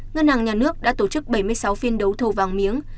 ngân hàng nhà nước đã tổ chức bảy mươi sáu phiên đấu thầu vàng miếng